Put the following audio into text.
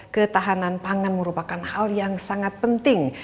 ketahanan pangan merupakan hal yang sangat penting